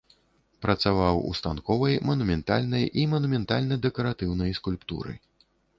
Працаваў у станковай, манументальнай і манументальна-дэкаратыўнай скульптуры.